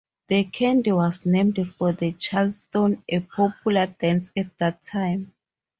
The candy was named for the Charleston, a popular dance at that time.